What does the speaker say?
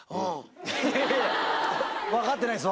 いやいや分かってないです